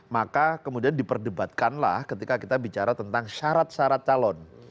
maka kemudian diperdebatkanlah ketika kita bicara tentang syarat syarat calon